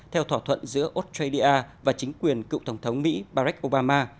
theo thỏa thuận giữa australia và chính quyền cựu tổng thống mỹ barack obama